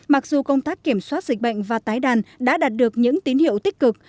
mặc dù công tác kiểm soát dịch bệnh và tái đàn đã đạt được những tín hiệu tích cực